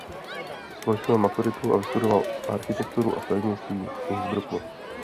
Složil maturitu a vystudoval architekturu a stavebnictví v Innsbrucku.